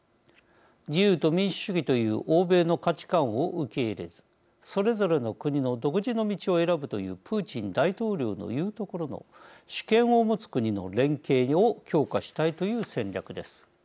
自由と民主主義という欧米の価値観を受け入れずそれぞれの国の独自の道を選ぶというプーチン大統領の言うところの主権を持つ国の連携を強化したいという戦略です。